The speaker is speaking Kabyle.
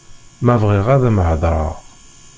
Ma bɣiɣ ad m-heḍreɣ.